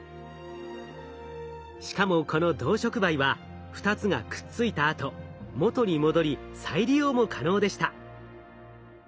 しかもこの銅触媒は２つがくっついたあと元に戻り再利用も可能でした。